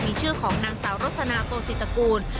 มีชื่อของนางสาวรสนาโกศิตกูล